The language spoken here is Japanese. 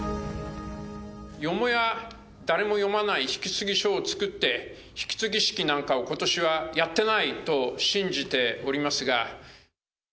よもや誰も読まない引き継ぎ書を作って、引き継ぎ式なんかをことしはやってないと信じておりますが。